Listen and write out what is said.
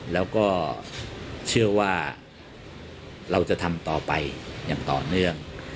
แล้วก็เชื่อว่าเราจะทำต่อไปอย่างต่อเนื่อง